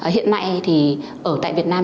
hiện nay thì ở tại việt nam